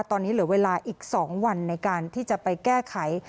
ตอนนี้เหลือเวลาอีก๒วันในการที่จะไปแก้ไข